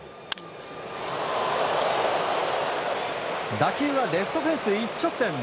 打球はレフトフェンス一直線。